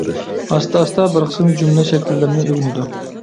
ئاستا-ئاستا بىر قىسىم جۈملە شەكىللىرىنى ئۆگىنىدۇ.